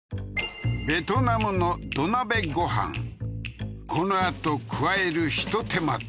ベトナムの土鍋ご飯この後加えるひと手間って？